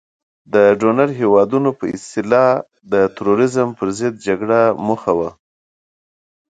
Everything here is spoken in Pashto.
د ډونر هیوادونو په اصطلاح د تروریزم په ضد جګړه موخه وه.